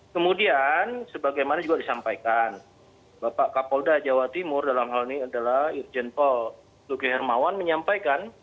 kemudian sebagaimana juga disampaikan bapak kapolda jawa timur dalam hal ini adalah irjen paul luki hermawan menyampaikan